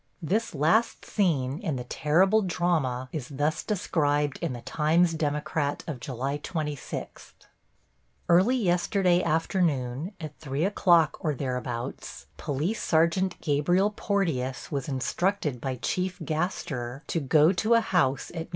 This last scene in the terrible drama is thus described in the Times Democrat of July 26: Early yesterday afternoon, at 3 o'clock or thereabouts, Police Sergeant Gabriel Porteus was instructed by Chief Gaster to go to a house at No.